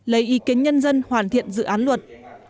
lấy ý kiến nhân dân hoàn thiện dự án luật